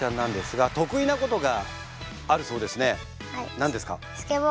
何ですか？